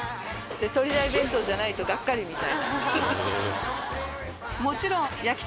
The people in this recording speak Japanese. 鳥大弁当じゃないとがっかりみたいな。